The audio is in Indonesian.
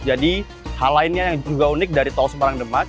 jadi hal lainnya yang juga unik dari tol semarang demak